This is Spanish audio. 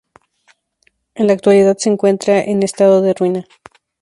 En la actualidad se encuentra en estado de ruina.